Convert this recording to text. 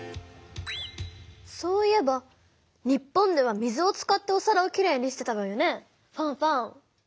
そういえば日本では水を使っておさらをきれいにしてたわよねファンファン。